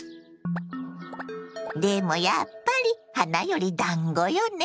でもやっぱり花よりだんごよね。